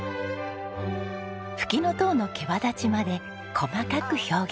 フキノトウの毛羽立ちまで細かく表現。